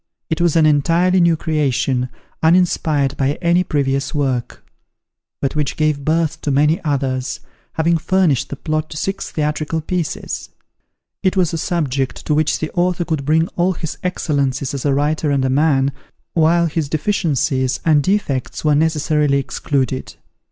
It was an entirely new creation, uninspired by any previous work; but which gave birth to many others, having furnished the plot to six theatrical pieces. It was a subject to which the author could bring all his excellences as a writer and a man, while his deficiencies and defects were necessarily excluded.